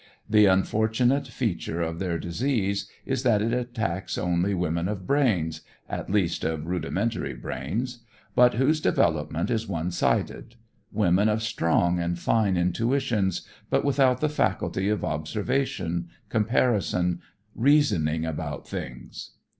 The unfortunate feature of their disease is that it attacks only women of brains, at least of rudimentary brains, but whose development is one sided; women of strong and fine intuitions, but without the faculty of observation, comparison, reasoning about things.